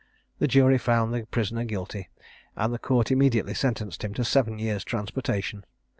The jury found the prisoner guilty, and the Court immediately sentenced him to seven years' transportation.